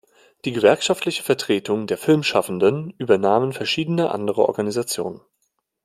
Die gewerkschaftliche Vertretung der Filmschaffenden übernahmen verschiedene andere Organisationen.